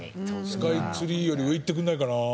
スカイツリーより上いってくんないかな。